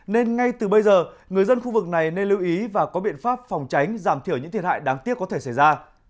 nên ngay từ bây giờ người dân khu vực này nên lưu ý và có biện pháp phòng tránh giảm thiểu những thiệt hại đáng tiếc có thể xảy ra